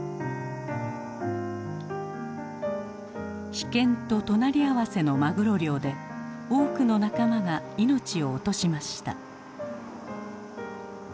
危険と隣り合わせのマグロ漁で多くの仲間が命を落としました。